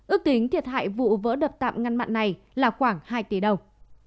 ước tính thiệt hại vụ vỡ đập tạm ngăn mặn này là khoảng hai tỷ đồng